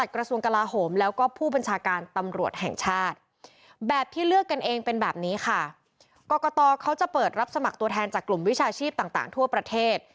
กรกตเขาจะเปิดรับสมัครตัวแทนจากกลุ่มวิชาชีพต่างทั่วประเทศ